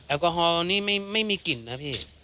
แอลกอฮอลนี่ไม่มีกลิ่นนะพี่